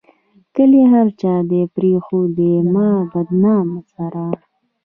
کلي هر چا دې پريښودلي ما بدنامه سره